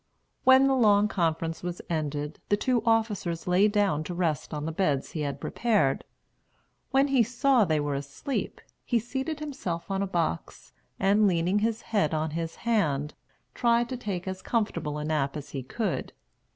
When the long conference was ended, the two officers lay down to rest on the beds he had prepared. When he saw they were asleep, he seated himself on a box, and, leaning his head on his hand, tried to take as comfortable a nap as he could.